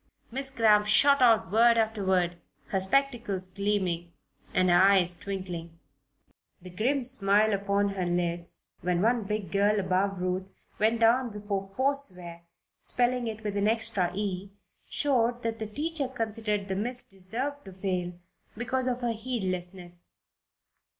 Miss Cramp shot out word after word, her spectacles gleaming and her eyes twinkling. The grim little smile upon her lips when one big girl above Ruth went down before "forswear," spelling it with an extra "e," showed that the teacher considered the miss deserved to fail because of her heedlessness.